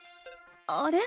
あれ？